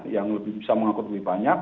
yang lebih bisa mengangkut lebih banyak